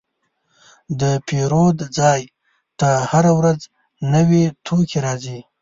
د پیرود ځای ته هره ورځ نوي توکي راځي.